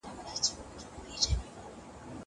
شګه پاکه کړه.